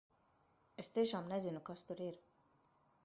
Es tiešām nezinu, kas tur ir!